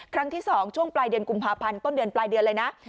ครั้งที่๒ช่วงปลายเดือนกุมภาพันธ์ต้นเดือนปลายเดือนเลยนะ